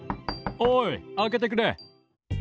おい開けてくれ。